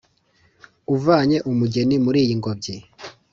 uvanye umugeni muri iyi ngobyi